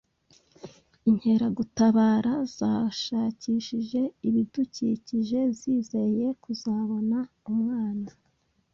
Inkeragutabara zashakishije ibidukikije zizeye kuzabona umwana.